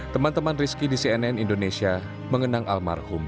teman teman rizky di cnn indonesia mengenang almarhum